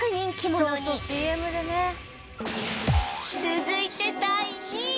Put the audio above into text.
続いて第２位